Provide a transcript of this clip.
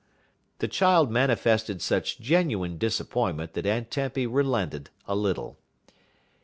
The child manifested such genuine disappointment that Aunt Tempy relented a little.